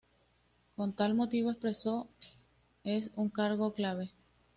Con tal motivo, expresó: “"Es un cargo clave.